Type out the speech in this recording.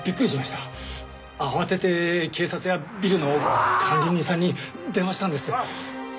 慌てて警察やビルの管理人さんに電話したんです。